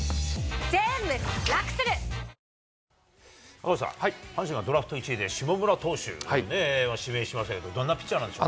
赤星さん、阪神はドラフト１位で、下村投手を指名しましたけど、どんなピッチャーなんでしょ